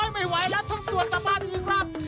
โอ้ยไม่ไหวแล้วเดี๋ยวร่วมสภาพอีกครับ